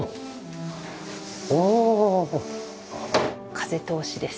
風通しです。